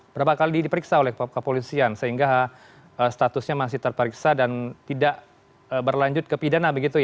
berapa kali diperiksa oleh kepolisian sehingga statusnya masih terperiksa dan tidak berlanjut ke pidana begitu ya